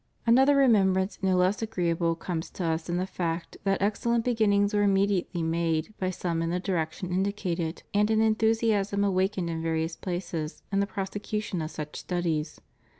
Another remembrance no less agreeable comes to Us in the fact that excellent beginnings were unmediately made by some in the direction indicated, and an enthu siasm awakened in various places in the prosecution of such studies.